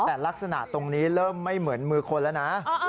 แต่ลักษณะตรงนี้เริ่มไม่เหมือนมือคนแล้วนะ